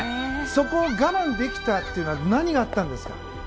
そこを我慢できたというのは何があったんですか？